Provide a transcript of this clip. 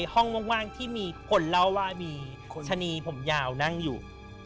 ห้องว่างที่มีคนเล่าว่ามีชะนีผมยาวนั่งอยู่